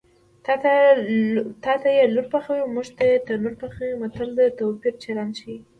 تاته یې لور پخوي موږ ته یې تنور پخوي متل د توپیر چلند ښيي